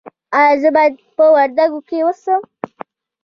ایا زه باید په وردګو کې اوسم؟